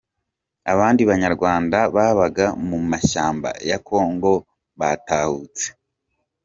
Abandi Banyarwanda babaga mu mashyamba ya kongo batahutse